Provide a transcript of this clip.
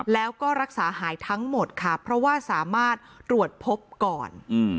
แล้วก็รักษาหายทั้งหมดค่ะเพราะว่าสามารถตรวจพบก่อน